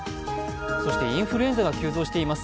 そしてインフルエンザが急増しています。